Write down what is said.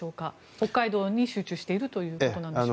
北海道に集中しているということでしょうか。